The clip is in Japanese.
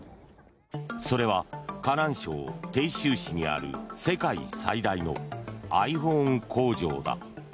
それは河南省鄭州市にある世界最大のｉＰｈｏｎｅ工場だ。